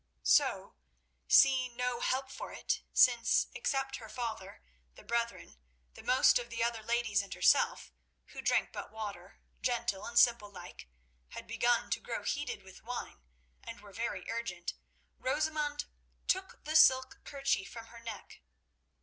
So, seeing no help for it, since except her father, the brethren, the most of the other ladies and herself, who drank but water, gentle and simple alike, had begun to grow heated with wine, and were very urgent, Rosamund took the silk kerchief from her neck.